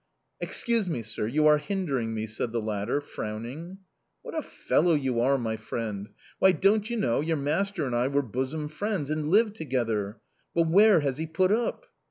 "Excuse me, sir, you are hindering me," said the latter, frowning. "What a fellow you are, my friend! Why, don't you know, your master and I were bosom friends, and lived together?... But where has he put up?"